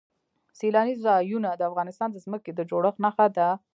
سیلانی ځایونه د افغانستان د ځمکې د جوړښت نښه ده.